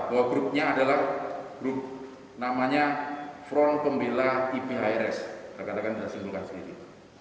bahwa grupnya adalah grup namanya front pembela iphrs saya katakan sudah singgulkan segini